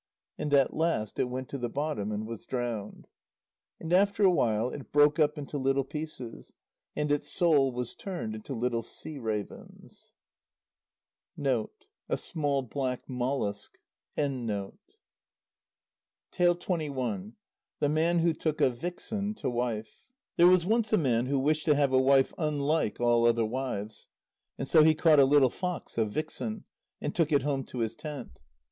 And at last it went to the bottom and was drowned. And after a while, it broke up into little pieces, and its soul was turned into little "sea ravens." THE MAN WHO TOOK A VIXEN TO WIFE There was once a man who wished to have a wife unlike all other wives, and so he caught a little fox, a vixen, and took it home to his tent.